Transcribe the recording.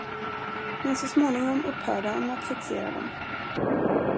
Men så småningom upphörde han att fixera dem.